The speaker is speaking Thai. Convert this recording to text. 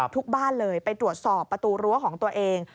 บ้านเลยไปตรวจสอบประตูรั้วของตัวเอง